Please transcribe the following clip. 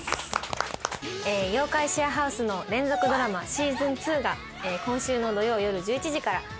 『妖怪シェアハウス』の連続ドラマシーズン２が今週の土曜よる１１時から。